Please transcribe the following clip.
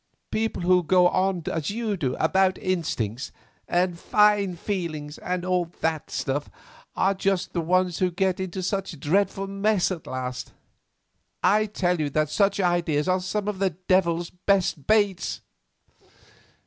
People who go on as you do about instincts, and fine feelings, and all that stuff, are just the ones who get into some dreadful mess at last. I tell you that such ideas are some of the devil's best baits."